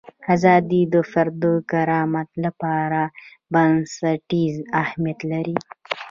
ازادي د فرد د کرامت لپاره بنسټیز اهمیت لري.